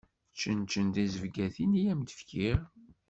Čenčen tizebgatin i am-d-fkiɣ.